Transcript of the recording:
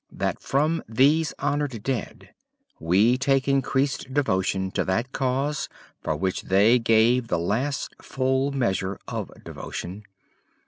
. .that from these honored dead we take increased devotion to that cause for which they gave the last full measure of devotion.